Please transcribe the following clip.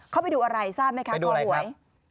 เข้าไปดูอะไรทราบไหมคะตัวหวย